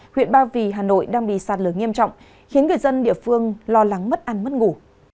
huyện ba vì hà nội đang bị sạt lửa nghiêm trọng khiến người dân địa phương lo lắng mất ăn mất ngủ